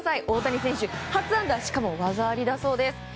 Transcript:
大谷選手、初安打しかも技ありだそうです。